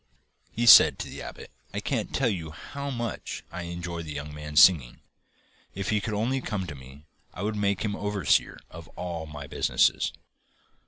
He said to the abbot: 'I can't tell you how much I enjoy that young man's singing. If he could only come to me I would make him overseer of all my business.